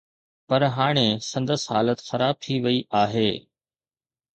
پر هاڻي سندس حالت خراب ٿي وئي آهي.